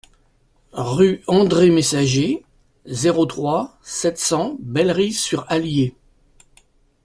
Rue Andre Messager, zéro trois, sept cents Bellerive-sur-Allier